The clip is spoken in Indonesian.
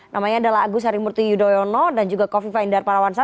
namanya adalah agus harimurti yudhoyono dan juga kofi fahim darparawansa